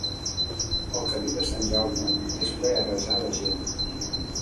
El camí de Sant Jaume és ple a vessar de gent.